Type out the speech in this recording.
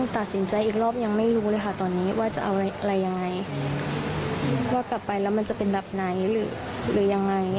ถ้าเกิดกลับไปแล้วจะเป็นแบบไหนหรือยังไง